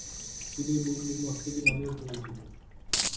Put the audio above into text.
তিনি "boom boom Afridi" নামেও পরিচিত।